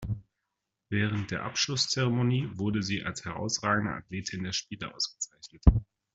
Während der Abschlusszeremonie wurde sie als herausragende Athletin der Spiele ausgezeichnet.